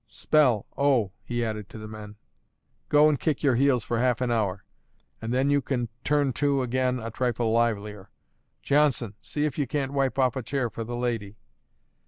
Spell, O!" he added to the men; "go and kick your heels for half an hour, and then you can turn to again a trifle livelier. Johnson, see if you can't wipe off a chair for the lady."